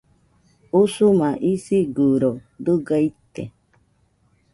Usuma isigɨro dɨga ite